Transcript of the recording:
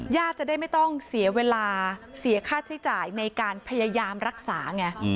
จะได้ไม่ต้องเสียเวลาเสียค่าใช้จ่ายในการพยายามรักษาไง